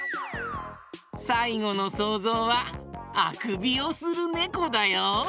さいごのそうぞうはあくびをするねこだよ。